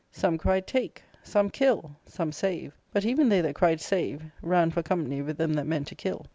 Some cried "Take," some "Kill," some "Save." But even they that cried " Save " ran for company with them that meant to kill.